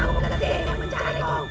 mau apa kamu kesini mencari aku